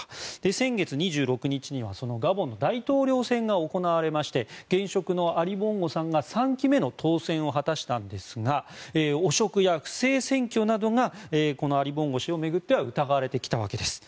先月２６日には、そのガボンの大統領選が行われまして現職のアリ・ボンゴさんが３期目の当選を果たしたんですが汚職や不正選挙などがこのアリ・ボンゴ氏を巡っては疑われてきたわけです。